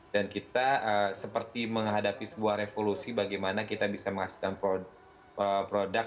dan kita seperti menghadapi sebuah revolusi bagaimana kita bisa menghasilkan produk